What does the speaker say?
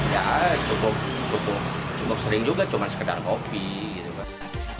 ya cukup sering juga cuma sekedar kopi gitu kan